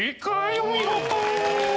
お見事！